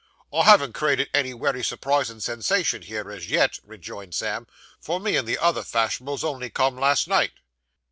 'I haven't created any wery surprisin' sensation here, as yet,' rejoined Sam, 'for me and the other fash'nables only come last night.